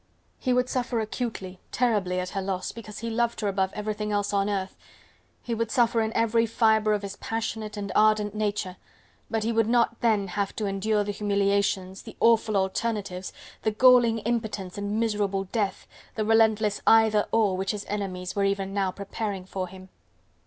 He would suffer acutely, terribly at her loss, because he loved her above everything else on earth, he would suffer in every fibre of his passionate and ardent nature, but he would not then have to endure the humiliations, the awful alternatives, the galling impotence and miserable death, the relentless "either or" which his enemies were even now preparing for him.